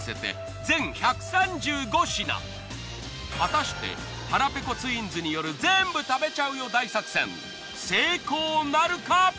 果たしてはらぺこツインズによる全部食べちゃうよ大苦戦成功なるか？